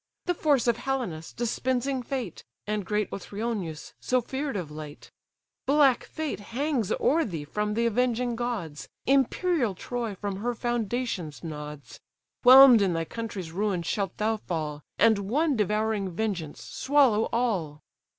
The force of Helenus, dispensing fate; And great Othryoneus, so fear'd of late? Black fate hang's o'er thee from th' avenging gods, Imperial Troy from her foundations nods; Whelm'd in thy country's ruin shalt thou fall, And one devouring vengeance swallow all."